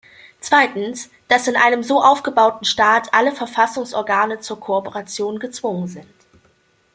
Zweitens, dass in einem so aufgebauten Staat alle Verfassungsorgane zur Kooperation gezwungen sind.